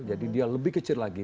jadi dia lebih kecil lagi